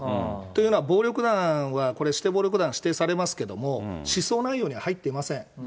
というのは、暴力団はこれ、指定暴力団、指定されますけれども、思想内容には入っていません。